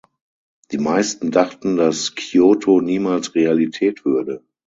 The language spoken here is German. Die meisten dachten, dass Kyoto niemals Realität würde.